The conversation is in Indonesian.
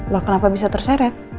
lah kenapa bisa terseret